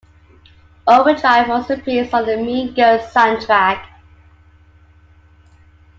"Overdrive" also appears on the "Mean Girls" soundtrack.